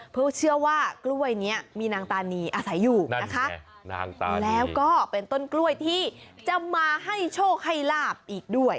เพราะเชื่อว่ากล้วยนี้มีนางตานีอาศัยอยู่นะคะแล้วก็เป็นต้นกล้วยที่จะมาให้โชคให้ลาบอีกด้วย